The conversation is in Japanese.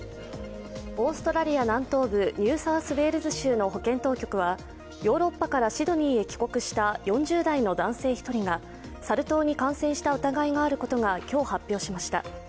オーストラリア南東部ニューサウスウェールズ州の保健当局はヨーロッパからシドニーへ帰国した４０代の男性１人がサル痘に感染した疑いがあることを今日発表しました。